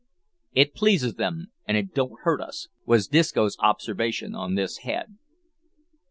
"It pleases them, an' it don't hurt us," was Disco's observation on this head.